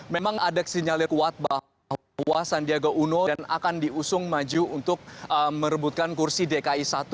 memang ada sinyal yang kuat bahwa sandiaga uno yang akan diusung maju untuk merebutkan kursi dki satu